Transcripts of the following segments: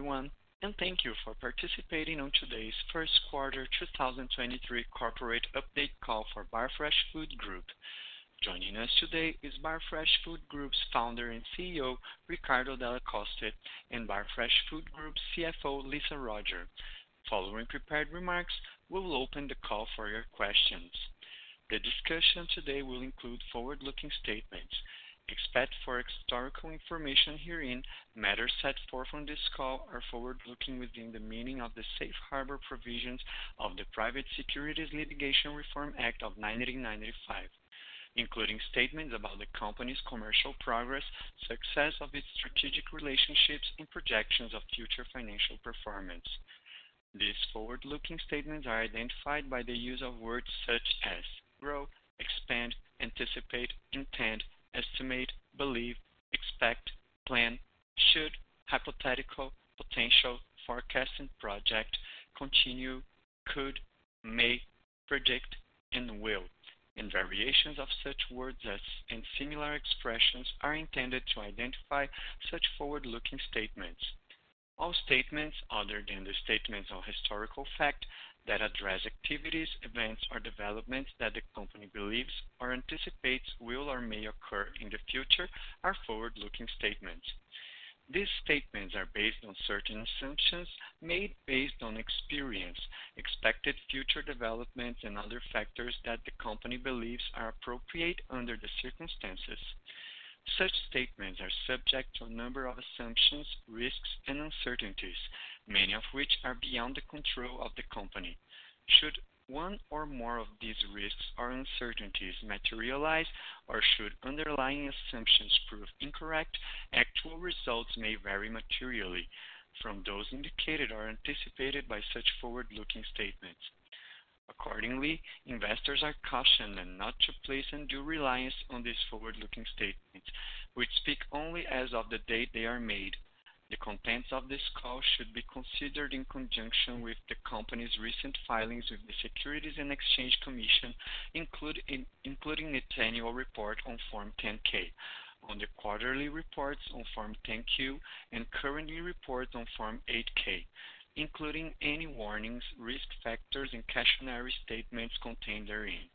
Everyone, thank you for participating on today's first quarter 2023 corporate update call for Barfresh Food Group. Joining us today is Barfresh Food Group's founder and CEO, Riccardo Delle Coste, and Barfresh Food Group's CFO, Lisa Roger. Following prepared remarks, we'll open the call for your questions. The discussion today will include forward-looking statements. Except for historical information herein, matters set forth from this call are forward-looking within the meaning of the Safe Harbor provisions of the Private Securities Litigation Reform Act of 1995, including statements about the company's commercial progress, success of its strategic relationships, and projections of future financial performance. These forward-looking statements are identified by the use of words such as grow, expand, anticipate, intend, estimate, believe, expect, plan, should, hypothetical, potential, forecast, and project, continue, could, may, predict, and will, and variations of such words as, and similar expressions are intended to identify such forward-looking statements. All statements other than the statements on historical fact that address activities, events, or developments that the company believes or anticipates will or may occur in the future are forward-looking statements. These statements are based on certain assumptions made based on experience, expected future developments, and other factors that the company believes are appropriate under the circumstances. Such statements are subject to a number of assumptions, risks, and uncertainties, many of which are beyond the control of the company. Should one or more of these risks or uncertainties materialize, or should underlying assumptions prove incorrect, actual results may vary materially from those indicated or anticipated by such forward-looking statements. Accordingly, investors are cautioned not to place undue reliance on these forward-looking statements, which speak only as of the date they are made. The contents of this call should be considered in conjunction with the company's recent filings with the Securities and Exchange Commission, including its annual report on Form 10-K, on the quarterly reports on Form 10-Q, and currently report on Form 8-K, including any warnings, risk factors, and cautionary statements contained therein.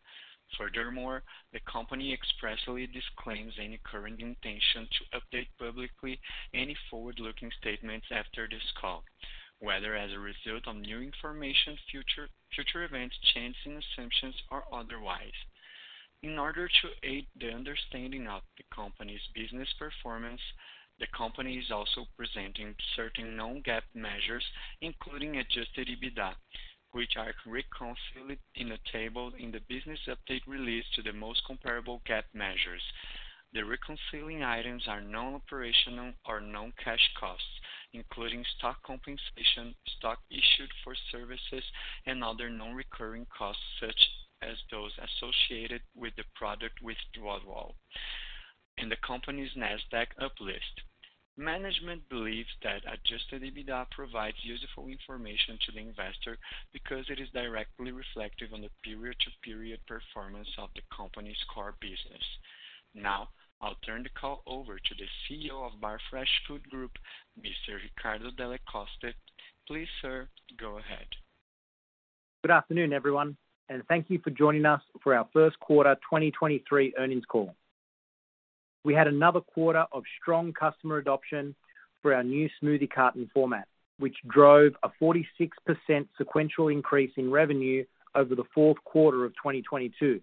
Furthermore, the company expressly disclaims any current intention to update publicly any forward-looking statements after this call, whether as a result of new information, future events, chance and assumptions, or otherwise. In order to aid the understanding of the company's business performance, the company is also presenting certain non-GAAP measures, including Adjusted EBITDA, which are reconciled in a table in the business update released to the most comparable GAAP measures. The reconciling items are non-operational or non-cash costs, including stock compensation, stock issued for services, and other non-recurring costs, such as those associated with the product withdrawal and the company's Nasdaq uplist. Management believes that Adjusted EBITDA provides useful information to the investor because it is directly reflective on the period-to-period performance of the company's core business. I'll turn the call over to the CEO of Barfresh Food Group, Mr. Riccardo Delle Coste. Please, sir, go ahead. Good afternoon, everyone, and thank you for joining us for our first quarter 2023 earnings call. We had another quarter of strong customer adoption for our new Smoothie Carton format, which drove a 46% sequential increase in revenue over the fourth quarter of 2022.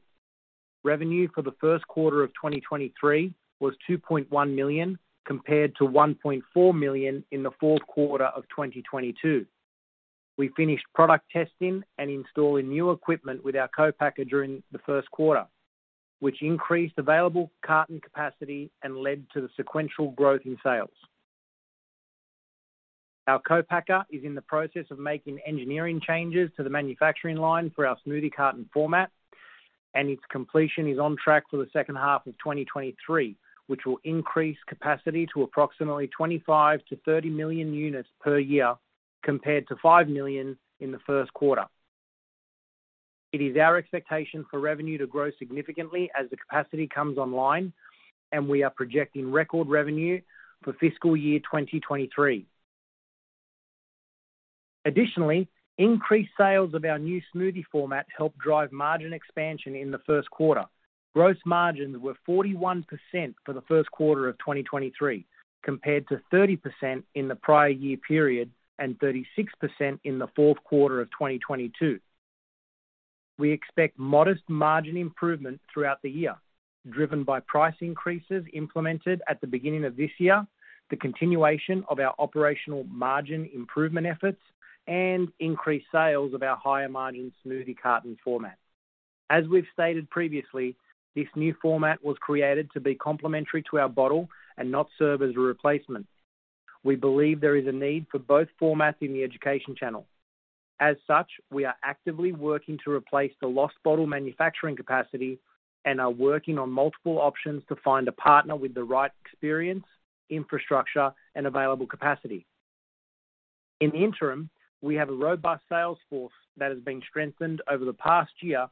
Revenue for the first quarter of 2023 was $2.1 million compared to $1.4 million in the fourth quarter of 2022. We finished product testing and installing new equipment with our co-packer during the first quarter, which increased available carton capacity and led to the sequential growth in sales. Our co-packer is in the process of making engineering changes to the manufacturing line for our Smoothie Carton format, and its completion is on track for the second half of 2023, which will increase capacity to approximately 25 million-30 million units per year compared to 5 million in the first quarter. It is our expectation for revenue to grow significantly as the capacity comes online, and we are projecting record revenue for fiscal year 2023. Increased sales of our new smoothie format helped drive margin expansion in the first quarter. Gross margins were 41% for the first quarter of 2023, compared to 30% in the prior year period and 36% in the fourth quarter of 2022. We expect modest margin improvement throughout the year, driven by price increases implemented at the beginning of this year, the continuation of our operational margin improvement efforts, and increased sales of our higher-margin Smoothie Carton format. As we've stated previously, this new format was created to be complementary to our bottle and not serve as a replacement. We believe there is a need for both formats in the education channel. As such, we are actively working to replace the lost bottle manufacturing capacity and are working on multiple options to find a partner with the right experience, infrastructure, and available capacity. In the interim, we have a robust sales force that has been strengthened over the past year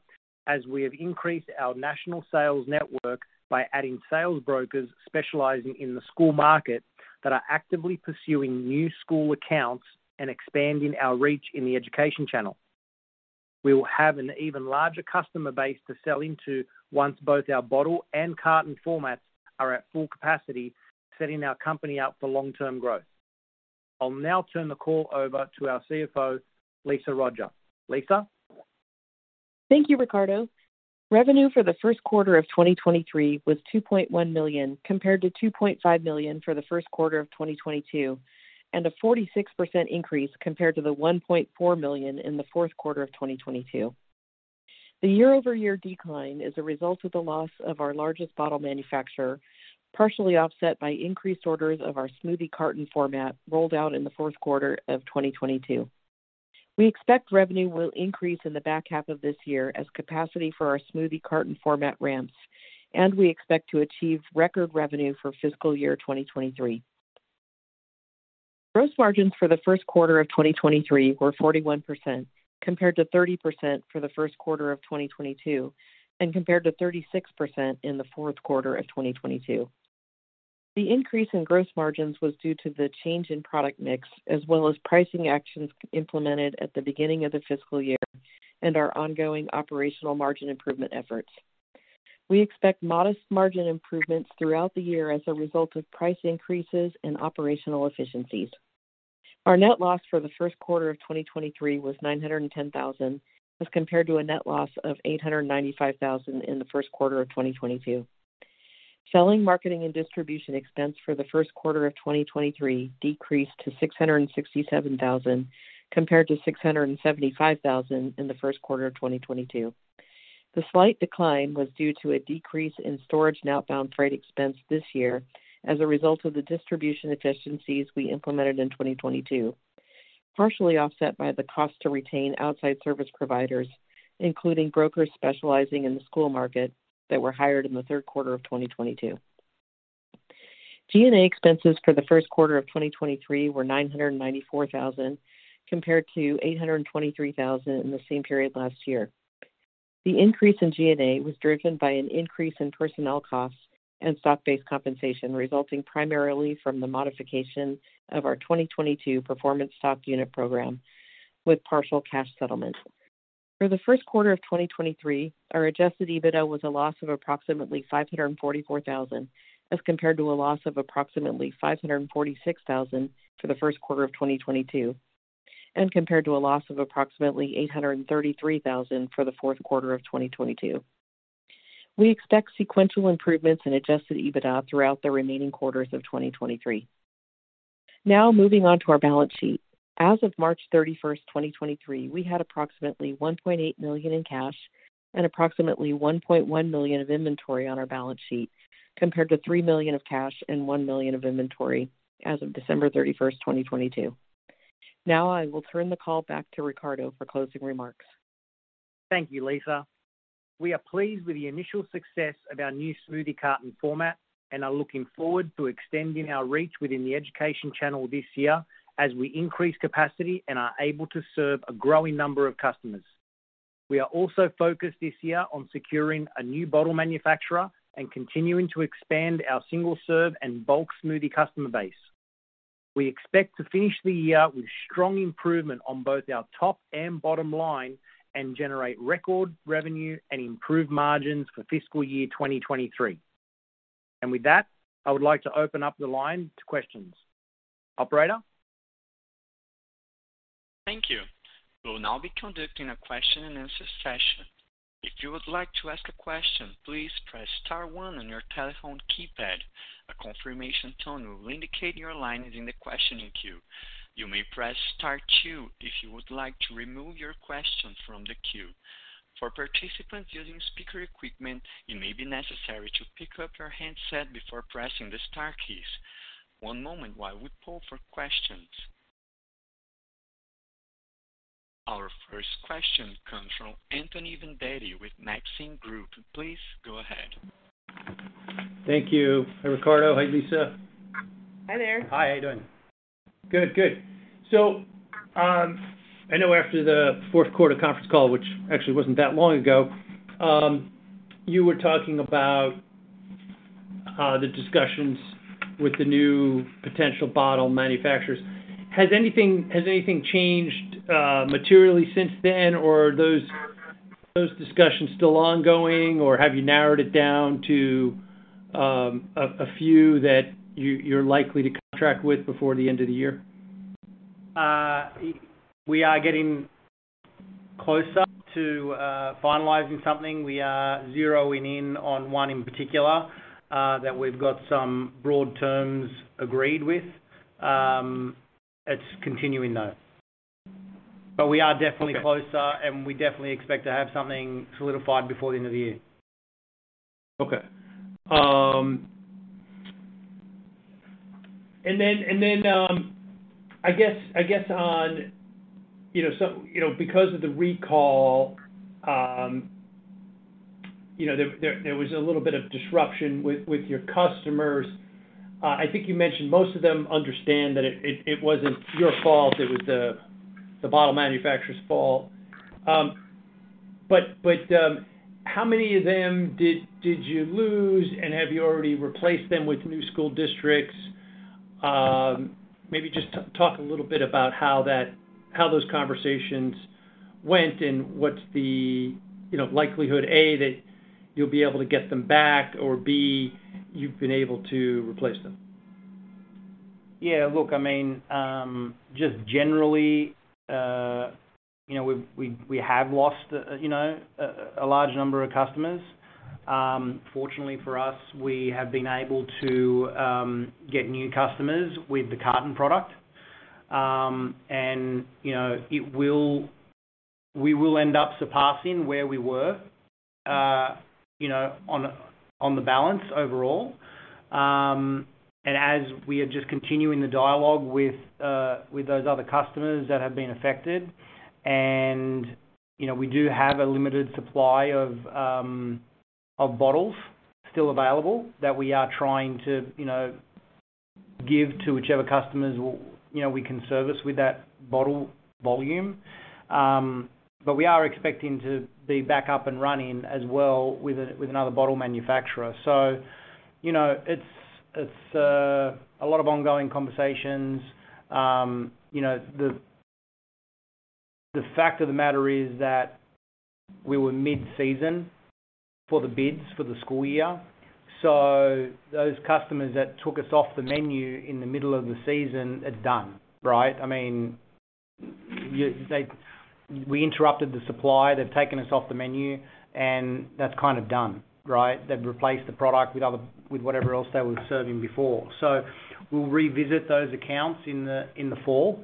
as we have increased our national sales network by adding sales brokers specializing in the school market that are actively pursuing new school accounts and expanding our reach in the education channel. We will have an even larger customer base to sell into once both our bottle and carton formats are at full capacity, setting our company up for long-term growth. I'll now turn the call over to our CFO, Lisa Roger. Lisa? Thank you, Riccardo. Revenue for the first quarter of 2023 was $2.1 million, compared to $2.5 million for the first quarter of 2022, and a 46% increase compared to the $1.4 million in the fourth quarter of 2022. The year-over-year decline is a result of the loss of our largest bottle manufacturer, partially offset by increased orders of our Smoothie Carton format rolled out in the fourth quarter of 2022. We expect revenue will increase in the back half of this year as capacity for our Smoothie Carton format ramps, and we expect to achieve record revenue for fiscal year 2023. Gross margins for the first quarter of 2023 were 41%, compared to 30% for the first quarter of 2022, and compared to 36% in the fourth quarter of 2022. The increase in gross margins was due to the change in product mix, as well as pricing actions implemented at the beginning of the fiscal year and our ongoing operational margin improvement efforts. We expect modest margin improvements throughout the year as a result of price increases and operational efficiencies. Our net loss for the first quarter of 2023 was $910,000, as compared to a net loss of $895,000 in the first quarter of 2022. Selling, marketing, and distribution expense for the first quarter of 2023 decreased to $667,000, compared to $675,000 in the first quarter of 2022. The slight decline was due to a decrease in storage and outbound freight expense this year as a result of the distribution efficiencies we implemented in 2022, partially offset by the cost to retain outside service providers, including brokers specializing in the school market that were hired in the third quarter of 2022. G&A expenses for the first quarter of 2023 were $994,000, compared to $823,000 in the same period last year. The increase in G&A was driven by an increase in personnel costs and stock-based compensation, resulting primarily from the modification of our 2022 performance stock unit program with partial cash settlement. For the first quarter of 2023, our Adjusted EBITDA was a loss of approximately $544,000, as compared to a loss of approximately $546,000 for the first quarter of 2022, compared to a loss of approximately $833,000 for the fourth quarter of 2022. We expect sequential improvements in Adjusted EBITDA throughout the remaining quarters of 2023. Moving on to our balance sheet. As of March 31st, 2023, we had approximately $1.8 million in cash and approximately $1.1 million of inventory on our balance sheet, compared to $3 million of cash and $1 million of inventory as of December 31st, 2022. I will turn the call back to Riccardo for closing remarks. Thank you, Lisa. We are pleased with the initial success of our new Smoothie Carton format and are looking forward to extending our reach within the education channel this year as we increase capacity and are able to serve a growing number of customers. We are also focused this year on securing a new bottle manufacturer and continuing to expand our single-serve and bulk smoothie customer base. We expect to finish the year with strong improvement on both our top and bottom line and generate record revenue and improved margins for fiscal year 2023. With that, I would like to open up the line to questions. Operator? Thank you. We'll now be conducting a question and answer session. If you would like to ask a question, please press star one on your telephone keypad. A confirmation tone will indicate your line is in the questioning queue. You may press star two if you would like to remove your question from the queue. For participants using speaker equipment, it may be necessary to pick up your handset before pressing the star keys. One moment while we poll for questions. Our first question comes from Anthony Vendetti with Maxim Group. Please go ahead. Thank you. Hi, Riccardo. Hi, Lisa. Hi, there. Hi. How you doing? Good. Good. I know after the fourth quarter conference call, which actually wasn't that long ago, you were talking about the discussions with the new potential bottle manufacturers. Has anything changed materially since then, or are those discussions still ongoing, or have you narrowed it down to a few that you're likely to contract with before the end of the year? We are getting closer to finalizing something. We are zeroing in on one in particular, that we've got some broad terms agreed with. It's continuing though. We are definitely- Okay. closer, and we definitely expect to have something solidified before the end of the year. Okay. Then, I guess on, you know, so, you know, because of the recall, you know, there was a little bit of disruption with your customers. I think you mentioned most of them understand that it wasn't your fault, it was the bottle manufacturer's fault. How many of them did you lose, and have you already replaced them with new school districts? Maybe just talk a little bit about how those conversations went and what's the, you know, likelihood, A, that you'll be able to get them back or, B, you've been able to replace them. Yeah. Look, I mean, just generally, you know, we have lost, you know, a large number of customers. Fortunately for us, we have been able to get new customers with the carton product. You know, we will end up surpassing where we were, you know, on the balance overall. As we are just continuing the dialogue with those other customers that have been affected. You know, we do have a limited supply of bottles still available that we are trying to, you know, give to whichever customers you know, we can service with that bottle volume. We are expecting to be back up and running as well with another bottle manufacturer. You know, it's, a lot of ongoing conversations. you know, the fact of the matter is that we were mid-season for the bids for the school year, so those customers that took us off the menu in the middle of the season are done, right? I mean, we interrupted the supply, they've taken us off the menu, and that's kind of done, right? They've replaced the product with other with whatever else they were serving before. We'll revisit those accounts in the, in the fall.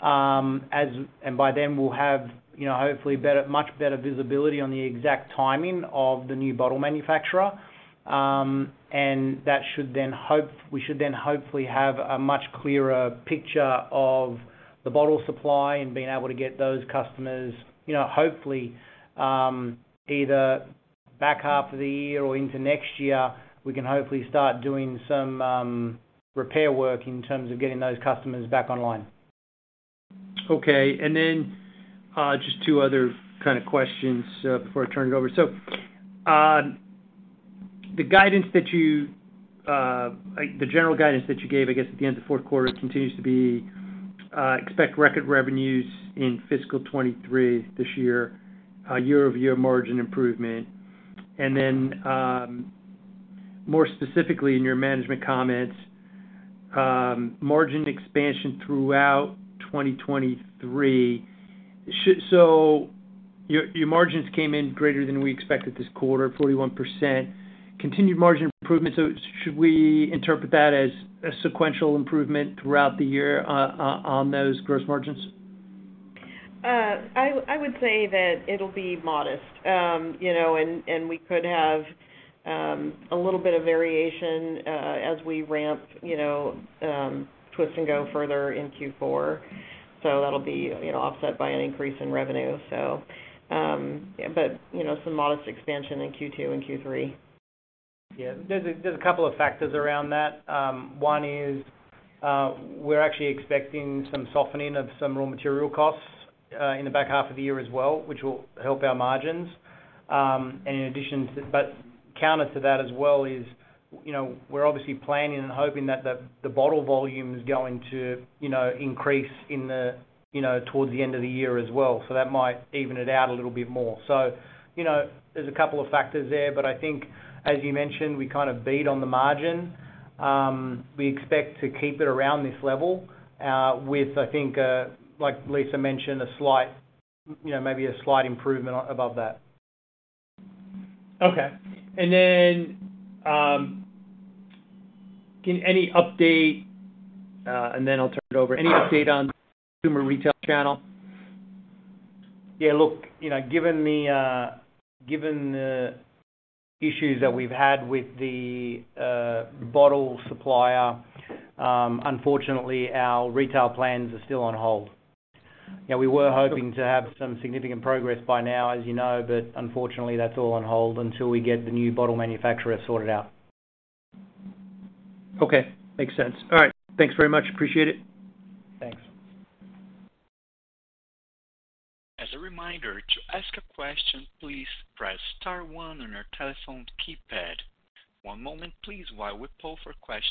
By then we'll have, you know, hopefully much better visibility on the exact timing of the new bottle manufacturer. That should then hopefully have a much clearer picture of the bottle supply and being able to get those customers, you know, hopefully, either back half of the year or into next year, we can hopefully start doing some repair work in terms of getting those customers back online. Okay. Just two other kind of questions before I turn it over. The guidance that you like the general guidance that you gave, I guess, at the end of fourth quarter continues to be expect record revenues in fiscal 2023 this year-over-year margin improvement. More specifically in your management comments, margin expansion throughout 2023. Your margins came in greater than we expected this quarter, 41%. Continued margin improvement, should we interpret that as a sequential improvement throughout the year on those gross margins? I would say that it'll be modest. You know, and we could have a little bit of variation as we ramp, you know, Twist & Go further in Q4. That'll be, you know, offset by an increase in revenue. You know, some modest expansion in Q2 and Q3. Yeah. There's a couple of factors around that. One is, we're actually expecting some softening of some raw material costs, in the back half of the year as well, which will help our margins. Counter to that as well is, you know, we're obviously planning and hoping that the bottle volume is going to, you know, increase in the, you know, towards the end of the year as well. That might even it out a little bit more. You know, there's a couple of factors there, but I think as you mentioned, we kind of beat on the margin. We expect to keep it around this level, with I think, like Lisa mentioned, a slight, you know, maybe a slight improvement above that. Okay. Can any update, I'll turn it over. Any update on consumer retail channel? Given the, you know, given the issues that we've had with the bottle supplier, unfortunately our retail plans are still on hold. You know, we were hoping to have some significant progress by now, as you know, unfortunately that's all on hold until we get the new bottle manufacturer sorted out. Okay. Makes sense. All right. Thanks very much. Appreciate it. Thanks. As a reminder, to ask a question, please press star one on your telephone keypad. One moment, please, while we poll for questions.